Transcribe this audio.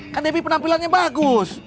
kan debbie penampilannya bagus